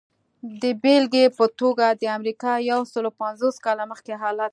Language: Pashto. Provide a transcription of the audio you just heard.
د بېلګې په توګه د امریکا یو سلو پنځوس کاله مخکې حالت.